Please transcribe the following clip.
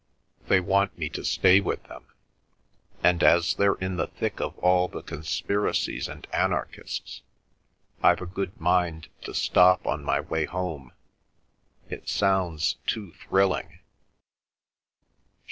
They want me to stay with them, and as they're in the thick of all the conspiracies and anarchists, I've a good mind to stop on my way home. It sounds too thrilling."